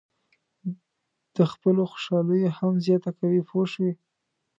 د خپلو خوشالیو هم زیاته کوئ پوه شوې!.